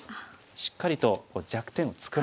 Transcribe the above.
しっかりと弱点を作らない。